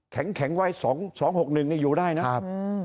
แข็งไว้๒๖๑นี่อยู่ได้นะครับ